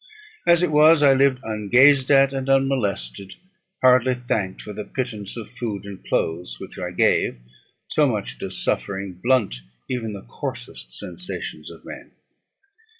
As it was, I lived ungazed at and unmolested, hardly thanked for the pittance of food and clothes which I gave; so much does suffering blunt even the coarsest sensations of men.